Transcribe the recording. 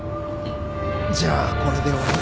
じゃあこれで終わり。